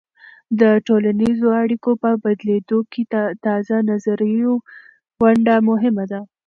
د ټولنیزو اړیکو په بدلیدو کې د تازه نظریو ونډه مهمه ده.